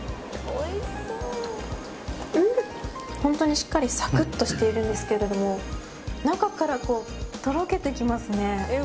本当にしっかり、サクッとしているんですけれども中から、とろけてきますね。